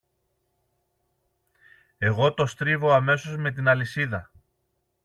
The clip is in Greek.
Εγώ το στρίβω αμέσως με την αλυσίδα